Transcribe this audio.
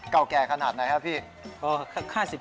เก่าแก่ขนาดไหนครับพี่